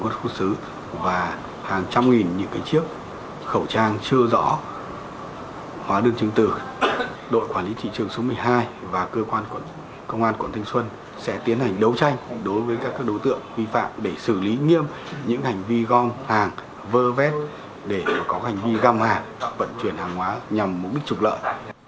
tiếp khẩu trang chưa rõ hóa đơn chứng từ đội quản lý thị trường số một mươi hai và cơ quan công an quảng thanh xuân sẽ tiến hành đấu tranh đối với các đối tượng vi phạm để xử lý nghiêm những hành vi gom hàng vơ vét để có hành vi gom hàng vận chuyển hàng hóa nhằm mục đích trục lợi